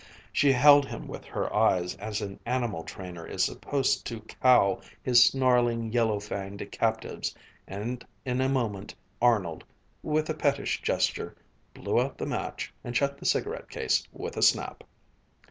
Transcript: She held him with her eyes as an animal trainer is supposed to cow his snarling, yellow fanged captives, and in a moment Arnold, with a pettish gesture, blew out the match and shut the cigarette case with a snap.